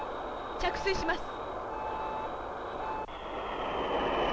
着水します。